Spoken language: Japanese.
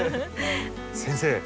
先生